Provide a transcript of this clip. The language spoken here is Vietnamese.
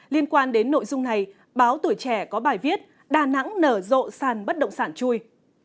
liên quan đến nội dung này báo tuổi trẻ có bài viết đà nẵng nở rộ sàn bất động sản chui